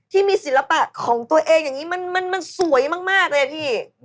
ที่มีศิลปะของตัวเองอย่างนี้มันสวยมากเลยอะพี่